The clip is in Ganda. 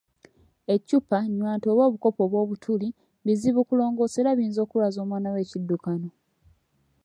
Eccupa, nnywanto oba obukopo obw'obutuli, bizibu okulongoosa era biyinza okulwaza omwana wo ekiddukano.